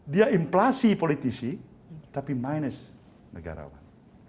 dia inflasi politisi tapi minus negarawan